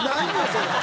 それ。